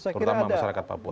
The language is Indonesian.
terutama masyarakat papua